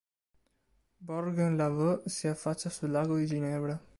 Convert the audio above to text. Bourg-en-Lavaux si affaccia sul lago di Ginevra.